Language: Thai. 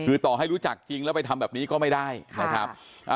คือต่อให้รู้จักจริงแล้วไปทำแบบนี้ก็ไม่ได้นะครับ